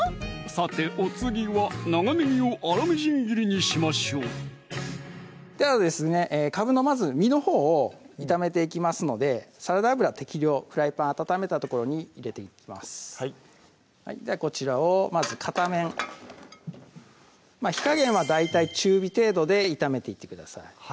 さてお次は長ねぎを粗みじん切りにしましょうではですねかぶのまず実のほうを炒めていきますのでサラダ油適量フライパン温めたところに入れていきますではこちらをまず片面火加減は大体中火程度で炒めていってください